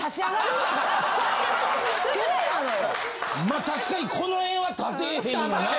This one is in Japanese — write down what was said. まあ確かにこの辺は立てへんよな。